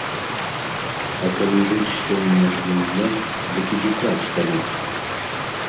А калі жыць сённяшнім днём, дык ідзі крадзь тады!